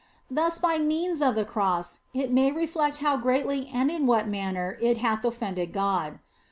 Thus by means of the Cross it may reflect how greatly and in what manner it hath offended God.